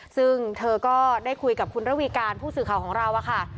ซึ่งเธอก็ได้คุยกับคุณระวีการผู้สื่อข่าวของเราค่ะ